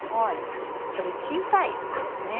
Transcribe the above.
タネがとっても小さいものですね。